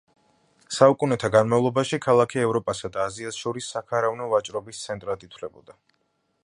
საუკუნეთა განმავლობაში ქალაქი ევროპასა და აზიას შორის საქარავნო ვაჭრობის ცენტრად ითვლებოდა.